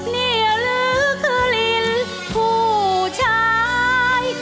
เนี่ยลึกลิ้นผู้ชาย